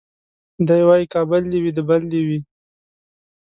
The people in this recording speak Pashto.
دی وايي کابل دي وي د بل دي وي